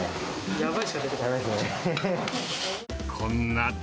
やばいしかことば出てこない。